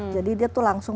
jadi dia itu langsung